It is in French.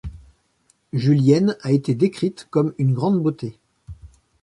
Julienne a été décrite comme une grande beauté.